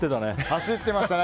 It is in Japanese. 走ってましたね。